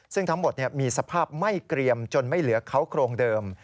ซึ่งทั้งหมดมีสภาพไม่เกรียมจนไม่เหลือเขาโครงเดิม